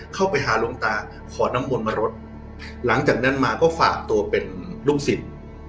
เข้าไปหาหลวงตาขอน้ำมนต์มารดหลังจากนั้นมาก็ฝากตัวเป็นลูกศิษย์